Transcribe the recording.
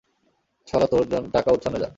শালা, তোর টাকা উচ্ছন্নে যাক।